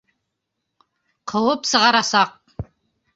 Ҡыуып сығарасаҡ.